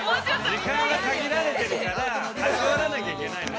◆時間が限られてるからはしょらなきゃいけないのよ。